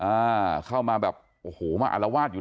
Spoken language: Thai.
มาถึงในด้านในบ้านด้วยนะเข้ามาแบบโอ้โหมาอรวาสอยู่